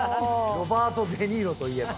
ロバート・デ・ニーロといえば。